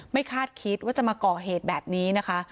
คาดคิดว่าจะมาก่อเหตุแบบนี้นะคะ